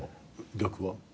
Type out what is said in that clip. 逆は？